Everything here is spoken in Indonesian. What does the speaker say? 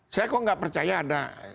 saya kok nggak percaya ada